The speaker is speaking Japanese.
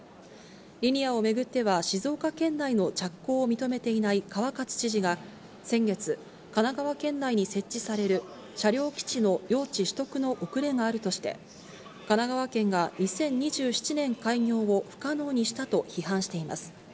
リニアを巡っては、静岡県内の着工を認めていない川勝知事が先月、神奈川県内に設置される車両基地の用地取得の遅れがあるとして、神奈川県が２０２７年開業を不可能にしたと批判しています。